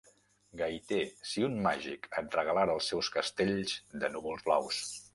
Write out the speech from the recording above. Gaiter, si un màgic et regalara els seus castells de núvols blaus